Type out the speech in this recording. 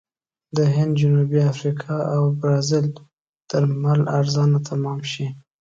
د هند، جنوبي افریقې او برازیل درمل ارزانه تمام شي.